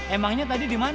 emangnya tadi di mana